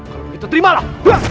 kalau begitu terimalah